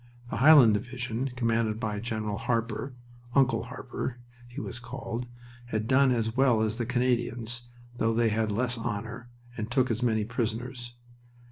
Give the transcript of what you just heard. The Highland Division, commanded by General Harper "Uncle Harper," he was called had done as well as the Canadians, though they had less honor, and took as many prisoners.